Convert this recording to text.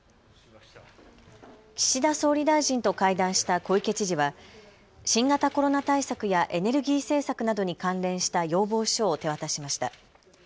岸田総理大臣と会談した小池知事は、新型コロナ対策やエネルギー政策などに関連した要望書を手渡しました。